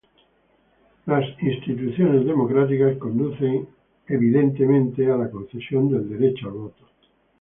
Las instituciones democráticas conducen inevitablemente a la concesión del derecho al voto.